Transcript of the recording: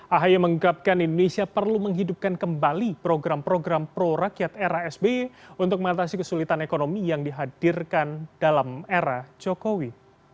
ahy menggapkan indonesia perlu menghidupkan kembali program program pro rakyat era sby untuk mengatasi kesulitan ekonomi yang dihadirkan dalam era jokowi